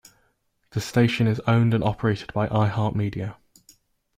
The station is owned and operated by iHeartMedia.